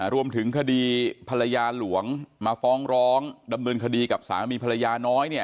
รวมถึงคดีภรรยาหลวงมาฟ้องร้องดำเนินคดีกับสามีภรรยาน้อยเนี่ย